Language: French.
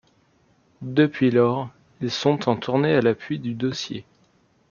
Depuis lors, ils sont en tournée à l'appui du dossier.